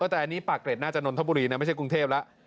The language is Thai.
แต่อันนี้ปากเกร็ดน่าจะนนทบุรีนะไม่ใช่กรุงเทพแล้ว